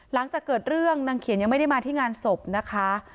หลังจากเกิดเรื่องนางเขียนยังไม่ได้มาที่งานศพนะคะ